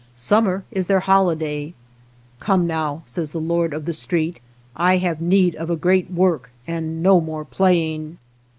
Summer is their holiday ;" Come now," says the lord of the street, " I have need of a great work and no more playing."